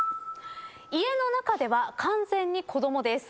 「家の中では完全に子供です」